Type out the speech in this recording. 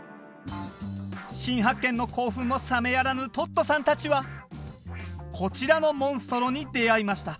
新発見の興奮もさめやらぬトットさんたちはこちらのモンストロに出会いました。